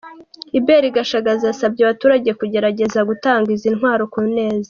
Hubert Gashagaza, yasabye abaturage kugerageza gutanga izi ntwaro ku neza.